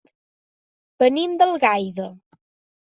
Venim d'Algaida.